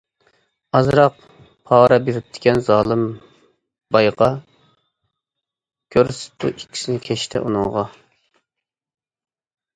ئازراق پارە بېرىپتىكەن زالىم يايىغا، كۆرسىتىپتۇ ئىككىسىنى كەچتە ئۇنىڭغا.